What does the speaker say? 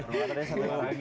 orang jawa ada satema lagi